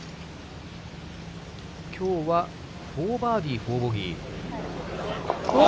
きょうは４バーディー４ボギー。